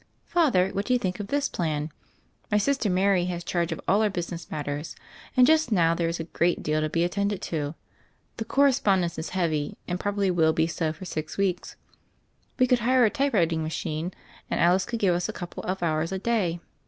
"Father, what do you think of this plan? My sister Mary has charge of all our business mat ters, and just now there is a great deal to be attended to. The correspondence is heavy, and Erobably will be so for six weeks. We could ire a typewriting machine and Alice could give us a couple of hours a day.